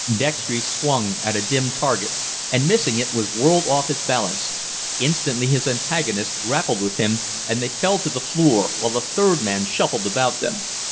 Dextry swung at a dim target, and, missing it, was whirled off his balance. Instantly his antagonist grappled with him, and they fell to the floor, while a third man shuffled about them.